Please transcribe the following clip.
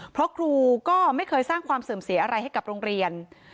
เพราะครูก็ไม่เคยสร้างความเสื่อมเสียอะไรให้กับโรงเรียน